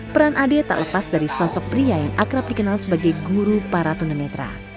peran ade tak lepas dari sosok pria yang akrab dikenal sebagai guru para tunanetra